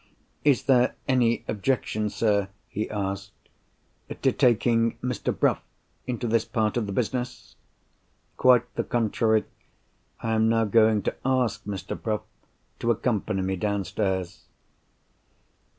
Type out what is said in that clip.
"Is there any objection, sir" he asked, "to taking Mr. Bruff into this part of the business?" "Quite the contrary! I am now going to ask Mr. Bruff to accompany me downstairs."